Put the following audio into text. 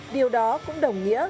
điều đó cũng đồng nghĩa